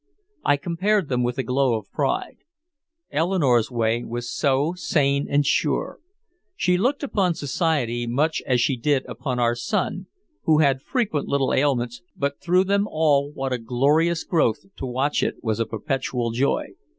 I compared them with a glow of pride. Eleanore's way was so sane and sure. She looked upon society much as she did upon our son, who had frequent little ailments but through them all what a glorious growth, to watch it was a perpetual joy.